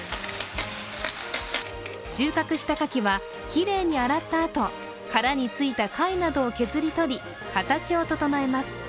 収穫したかきは、きれいに洗ったあと、殻についた貝などを削り取り形を整えます。